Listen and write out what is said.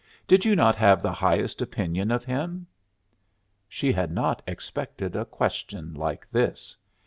"Did you not have the highest opinion of him?" She had not expected a question like this.